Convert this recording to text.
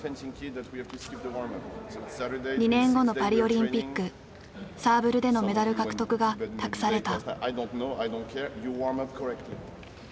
２年後のパリオリンピックサーブルでのメダル獲得が託された。